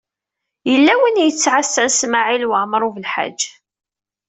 Yella win i yettɛassan Smawil Waɛmaṛ U Belḥaǧ.